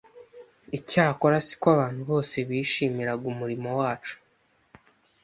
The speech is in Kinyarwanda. Icyakora si ko abantu bose bishimiraga umurimo wacu